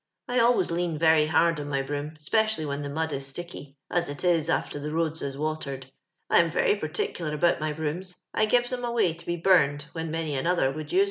I always lean very hord on my broom, 'speci ally wheu the mud is sticky* as it is after the roads is watered. I am very particular about my brooms; I gives 'em away to bo burned wliL n many ouother would use them." thirty two years in London.